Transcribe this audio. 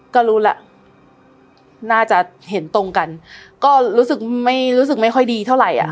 ก็รู้แล้วน่าจะเห็นตรงกันก็รู้สึกไม่รู้สึกไม่ค่อยดีเท่าไหร่อ่ะ